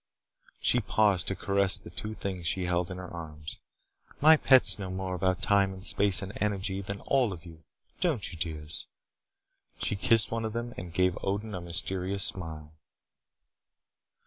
She paused to caress the two things she held in her arms. "My pets know more about time and space and energy than all of you, don't you, dears?" She kissed one of them and gave Odin a mysterious smile.